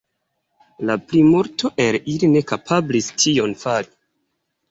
La plimulto el ili ne kapablis tion fari.